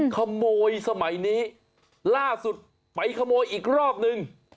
ขโมยสมัยนี้ล่าสุดไปขโมยอีกรอบนึง